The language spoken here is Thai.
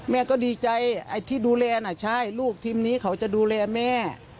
แม่ก็ดีใจไอ้ที่ดูแลน่ะใช่ลูกทีมนี้เขาจะดูแลแม่